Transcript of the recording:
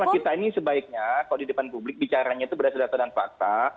karena kita ini sebaiknya kalau di depan publik bicaranya itu berdasarkan data dan fakta